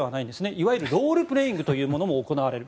いわゆるロールプレイングというものも行われる。